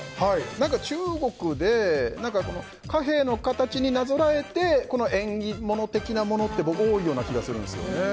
中国で貨幣の形になぞらえて縁起物的なものって多い気がするんですよね。